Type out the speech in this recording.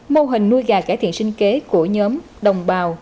mô hình nuôi gà cải thiện sinh kế của nhóm đồng bào